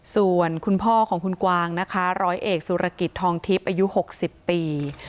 ส่วนคุณพ่อของคุณกวางนะคะร้อยเอกสุรกิจทองทิพย์อายุ๖๐ปี